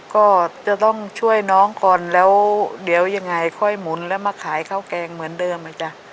ก็จะต้องช่วยน้องก่อนแล้วเดี๋ยวยังไงค่อยหมุนแล้วมาขายข้าวแกงเหมือนเดิมอ่ะจ๊ะ